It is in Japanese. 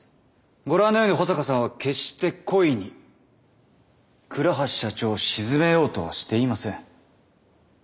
ご覧のように保坂さんは決して故意に倉橋社長を沈めようとはしていません。